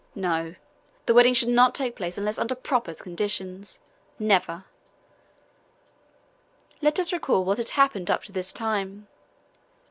No! The wedding should not take place unless under proper conditions! Never! Let us recall what had happened up to this time.